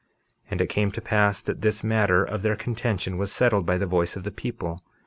51:7 And it came to pass that this matter of their contention was settled by the voice of the people.